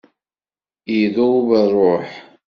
Idub rruḥ!